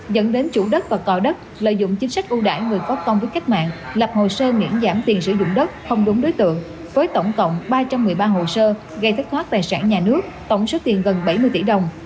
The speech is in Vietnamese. chính chủ đất và tòa đất lợi dụng chính sách ưu đại người có con với khách mạng lập hồ sơ miễn giảm tiền sử dụng đất không đúng đối tượng với tổng cộng ba trăm một mươi ba hồ sơ gây thất thoát tài sản nhà nước tổng số tiền gần bảy mươi tỷ đồng